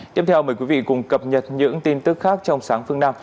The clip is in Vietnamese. tiếp theo mời quý vị cùng cập nhật những tin tức khác trong sáng phương nam